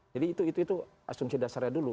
jadi itu asumsi dasarnya dulu